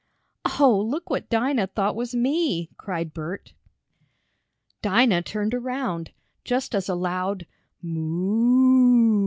"Oh, look what Dinah thought was me!" cried Bert. Dinah turned around, just as a loud "Moo!"